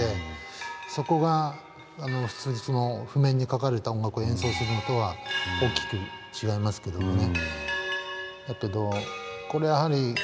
そこが譜面に書かれた音楽を演奏するのとは大きく違いますけどもね。